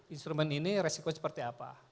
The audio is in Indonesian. instrumen ini resiko seperti apa